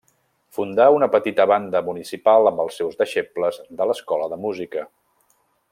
Fundà una petita banda municipal amb els seus deixebles de l'escola de música.